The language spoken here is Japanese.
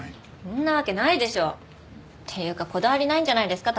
そんなわけないでしょ！っていうかこだわりないんじゃないんですか？